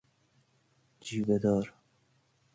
جیوه دار